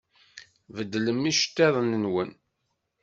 Beddlem iceṭṭiḍen-nwen!